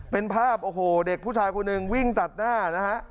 เป็นภาพโอ้โหเด็กผู้ชายคนหนึ่งวิ่งตัดหน้านะฮะ